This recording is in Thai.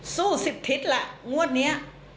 สู้สิบทิศล่ะงวดนี้